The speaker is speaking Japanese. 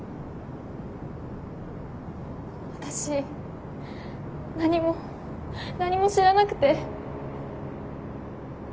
私何も何も知らなくて。